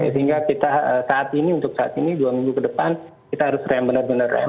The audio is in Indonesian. sehingga kita saat ini untuk saat ini dua minggu ke depan kita harus rem benar benar rem